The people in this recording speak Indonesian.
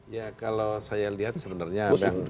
ya kalau saya lihat sebenarnya